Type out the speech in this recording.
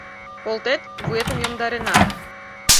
Колтет — вуетым йомдарена.